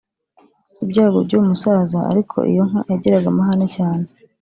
Ibyago by’uwo musaza ariko iyo nka yagiraga amahane cyane